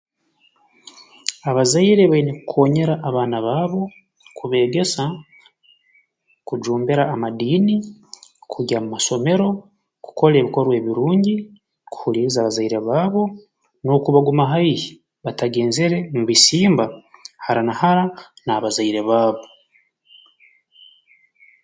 Abazaire baine kukoonyera abaana baabo kubeegesa kujumbira amadiini kugya mu masomero kukora ebikorwa ebirungi kuhuliiriza bazaire baabo n'okubaguma haihi batagenzere mu bisimba hara na hara n'abazaire baabo